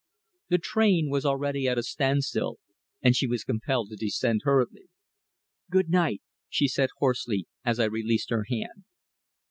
The train was already at a standstill, and she was compelled to descend hurriedly. "Good night," she said hoarsely as I released her hand.